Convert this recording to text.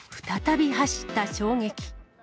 再び走った衝撃。